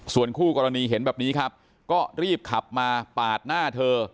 ส่วนคู่กรณีเห็นแบบนี้ครับก็รีบขับมาปาดหน้าเธอ